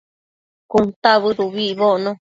cuntabëd ubi icbocno